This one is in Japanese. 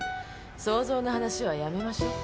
想像の話はやめましょう。